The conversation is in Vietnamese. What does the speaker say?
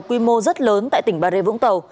quy mô rất lớn tại tỉnh bà rê vũng tàu